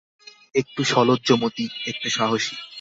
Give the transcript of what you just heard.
একটু সলজ্জ মতি, একটু সাহসী।